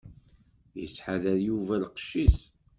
Yettḥadar Yuba lqecc-is.